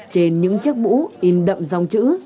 trên những chiếc mũ in đậm dòng chữ